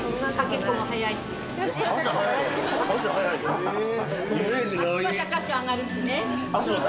足も高く上がるしね。